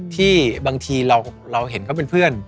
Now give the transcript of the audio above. ที่บางทีเราเห็นเขาเป็นเพื่อน